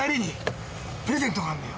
プレゼント？